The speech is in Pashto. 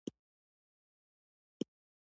آیا بوټان یې وطني دي؟